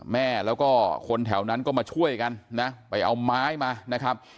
แม่แล้วก็คนแถวนั้นก็มาช่วยกันนะไปเอาไม้มานะครับ